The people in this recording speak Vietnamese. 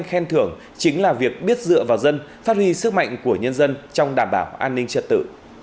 khen thưởng chính là việc biết dựa vào dân phát huy sức mạnh của nhân dân trong đảm bảo an ninh trật tự